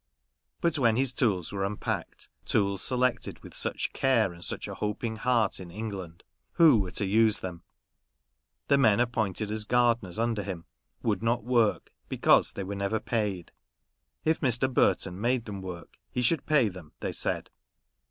But when his tools were unpacked — tools selected with such care and such a hoping heart in England — who were to use them ? The men appointed as gardeners under him would not work, because they were never paid. If Mr. Burton made them work, he should pay them, they said.